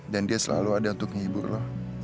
dan dia selalu ada untuk menghibur lo